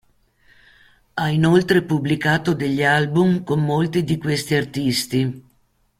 Ha inoltre pubblicato degli album con molti di questi artisti.